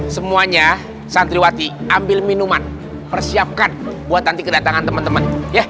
semuanya santriwati ambil minuman persiapkan buat nanti kedatangan teman teman